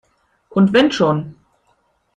Und wenn schon!